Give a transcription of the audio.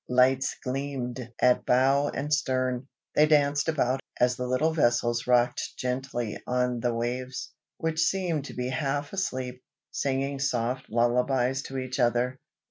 Lights gleamed at bow and stern. They danced about, as the little vessels rocked gently on the waves, which seemed to be half asleep, singing soft lullabies to each other.